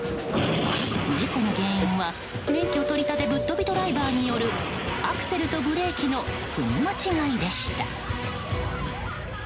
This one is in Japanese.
事故の原因は、免許取り立てのぶっとびドライバーによるアクセルとブレーキの踏み間違いでした。